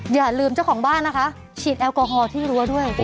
อย่าลืมเจ้าของบ้านนะคะฉีดแอลกอฮอลที่รั้วด้วย